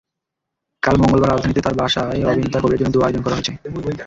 কাল মঙ্গলবার রাজধানীতে তাঁর বাসায় অবিন্তা কবীরের জন্য দোয়া আয়োজন করা হয়েছে।